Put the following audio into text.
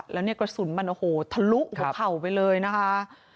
และนี่กระสุนมันทะลุเข้าไปเลยนะคะ